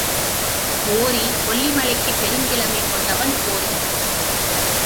ஓரி கொல்லிமலைக்குப் பெருங்கிழமை கொண்டவன் ஓரி.